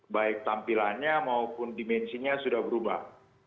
baik tampilannya maupun dimensinya sudah berubah